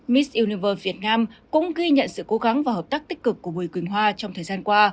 miss univer việt nam cũng ghi nhận sự cố gắng và hợp tác tích cực của bùi quỳnh hoa trong thời gian qua